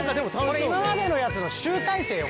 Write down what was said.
これ今までのやつの集大成よ。